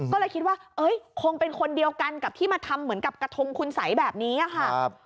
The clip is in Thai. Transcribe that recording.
ก็เลยคิดว่าคงเป็นคนเดียวกันกับที่มาทำเหมือนกับกระทงคุณสัยแบบนี้ค่ะ